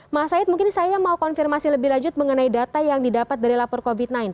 mas said mungkin saya mau konfirmasi lebih lanjut mengenai data yang didapat dari lapor covid sembilan belas